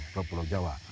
ke pulau jawa